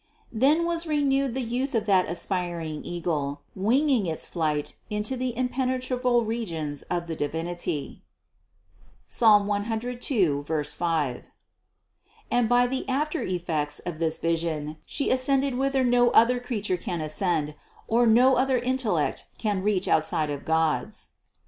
Then was renewed the youth of that aspiring Eagle, winging its flight into the impenetrable regions of the Divinity (Psalm 102, 5), and by the after effects of this vision She ascended whither no other creature can ascend, or no other intellect can reach outside of God's.